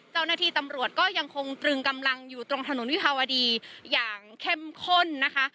เจ้าหน้าที่ตำรวจก็ยังคงตรึงกำลังอยู่ตรงถนนวิภาวดีอย่างเข้มข้นนะคะ